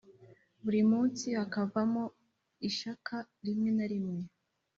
buri munsi hakavamo ishaka rimwe rimwe,